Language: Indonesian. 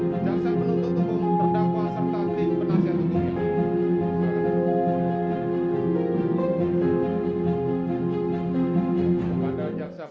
pada hari jumat tanggal sepuluh februari tahun dua ribu dua puluh dua